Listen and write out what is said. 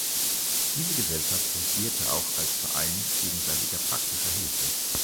Diese Gesellschaft fungierte auch als Verein gegenseitiger praktischer Hilfe.